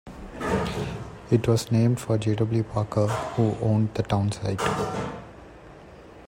It was named for J. W. Parker, who owned the town site.